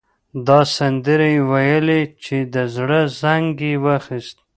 داسې سندرې يې وويلې چې د زړه زنګ يې واخيست.